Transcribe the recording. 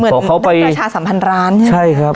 เหมือนกระชาสัมพันธ์ร้านใช่มั้ยครับ